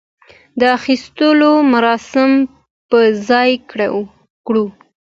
د خښولو مراسم په ځاى کړو.